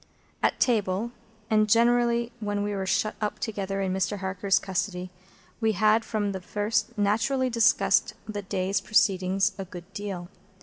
At table, and generally when we were shut up together in Mr. Harker's custody, we had from the first naturally discussed the day's proceedings a good deal.